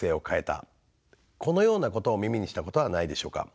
このようなことを耳にしたことはないでしょうか。